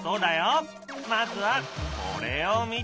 まずはこれを見てみて。